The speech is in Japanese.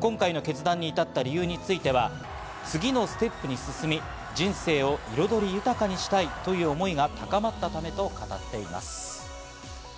今回の決断に至った理由については次のステップに進み、人生を彩り豊かにしたいという思いが高まったためと語っています。